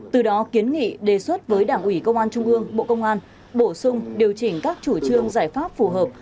từ đó kiến nghị đề xuất với đảng ủy công an trung ương bộ công an bổ sung điều chỉnh các chủ trương giải pháp phù hợp